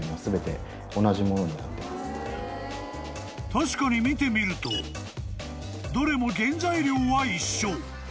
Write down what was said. ［確かに見てみるとどれも原材料は一緒］